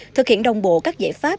thực hiện đồng bộ các giải pháp